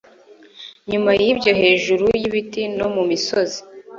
Nyuma yibyo hejuru yibiti no mumisozi